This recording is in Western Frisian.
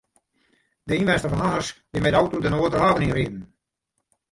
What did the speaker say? De ynwenster fan Harns wie mei de auto de Noarderhaven yn riden.